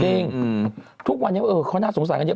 จริงทุกวันนี้เขาน่าสงสารกันเยอะ